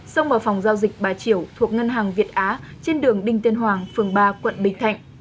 xông vào phòng giao dịch bà triểu thuộc ngân hàng việt á trên đường đinh tiên hoàng phường ba quận bình thạnh